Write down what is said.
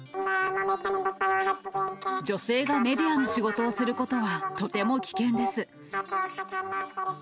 女性がメディアの仕事をすることはとても危険です。